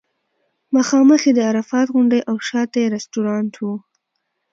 مخامخ یې د عرفات غونډۍ او شاته یې رستورانټ و.